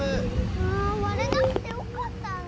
あわれなくてよかったね！